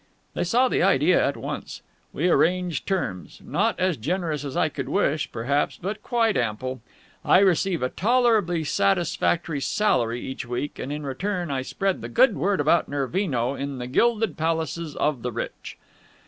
They saw the idea at once. We arranged terms not as generous as I could wish, perhaps, but quite ample. I receive a tolerably satisfactory salary each week, and in return I spread the good word about Nervino in the gilded palaces of the rich.